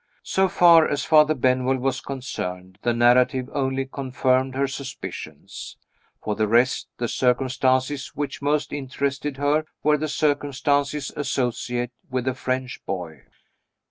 So far as Father Benwell was concerned, the narrative only confirmed her suspicions. For the rest, the circumstances which most interested her were the circumstances associated with the French boy.